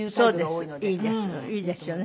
いいですよね。